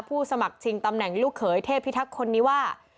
สมัครชิงตำแหน่งลูกเขยเทพิทักษ์คนนี้ว่า